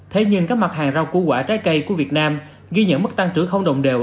thế nhưng các mặt hàng rau củ quả trái cây của việt nam ghi nhận mức tăng trưởng không đồng đều